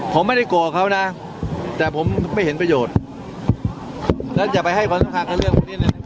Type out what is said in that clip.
ผมไม่ได้กลัวเขานะแต่ผมไม่เห็นประโยชน์แล้วอย่าไปให้ความสำคัญกับเรื่อง